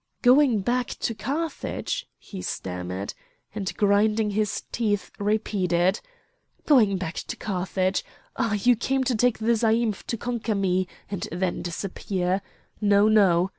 "Going back to Carthage!" He stammered, and, grinding his teeth, repeated: "Going back to Carthage! Ah! you came to take the zaïmph, to conquer me, and then disappear! No, no!